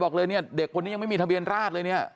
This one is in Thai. บอกเลยเนี่ยเด็กคนนี้ยังไม่มีทะเบียนราชเลยเนี่ย